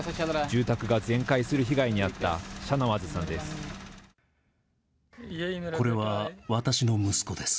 住宅が全壊する被害に遭ったシャナワズさんです。